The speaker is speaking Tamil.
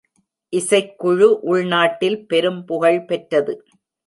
இசைக் குழு உள்நாட்டில் பெரும் புகழ் பெற்றது.